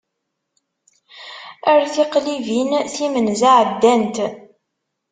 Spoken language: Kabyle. Ar tiqlibin, timenza ɛeddant!